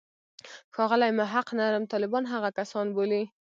ښاغلی محق نرم طالبان هغه کسان بولي.